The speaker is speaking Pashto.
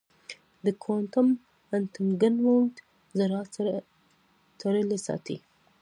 د کوانټم انټنګلمنټ ذرات سره تړلي ساتي.